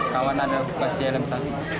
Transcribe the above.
kawan ada kasih helm satu